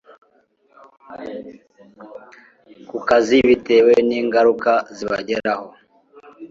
ku kazi bitewe n ingaruka zibageraho